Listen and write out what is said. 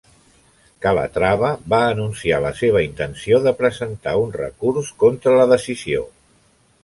Calatrava va anunciar la seva intenció de presentar un recurs contra la decisió.